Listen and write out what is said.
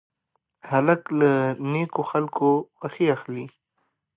هلک له نیکو خلکو خوښي اخلي.